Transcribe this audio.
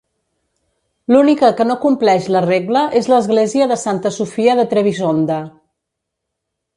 L'única que no compleix la regla és l'església de Santa Sofia de Trebisonda.